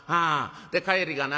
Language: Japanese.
で帰りがな